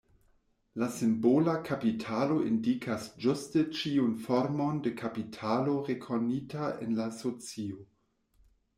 La simbola kapitalo indikas ĝuste ĉiun formon de kapitalo rekonita en la socio.